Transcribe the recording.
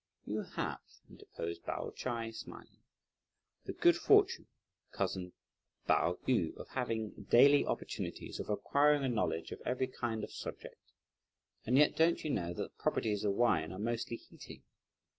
"You have," interposed Pao Ch'ai smiling, "the good fortune, cousin Pao yü, of having daily opportunities of acquiring a knowledge of every kind of subject, and yet don't you know that the properties of wine are mostly heating?